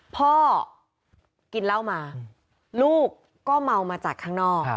พ่อกินเหล้ามาลูกก็เมามาจากข้างนอก